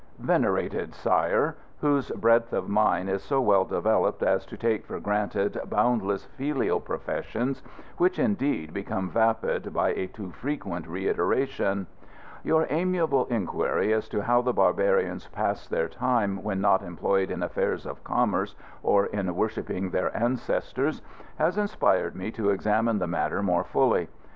Venerated Sire (whose breadth of mind is so well developed as to take for granted boundless filial professions, which, indeed, become vapid by a too frequent reiteration), Your amiable inquiry as to how the barbarians pass their time, when not employed in affairs of commerce or in worshipping their ancestors, has inspired me to examine the matter more fully.